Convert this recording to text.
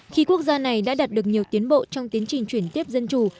khi quốc gia này đã đạt được nhiều tiến bộ trong tiến trình chuyển tiếp dân chủ